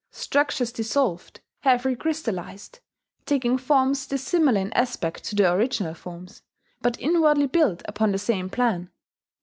Structures dissolved have recrystallized, taking forms dissimilar in aspect to the original forms, but inwardly built upon the same plan.